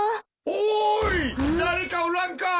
・おい誰かおらんか！